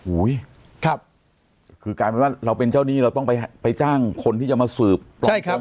อุ้ยครับคือการแบบว่าเราเป็นเจ้านี่เราต้องไปไปจ้างคนที่จะมาสืบ